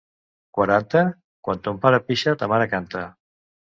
Quaranta? —Quan ton pare pixa, ta mare canta!